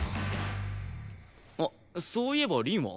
あっそういえば凛は？